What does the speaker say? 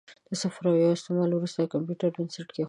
د صفر او یو استعمال وروسته د کمپیوټر بنسټ کېښودل شو.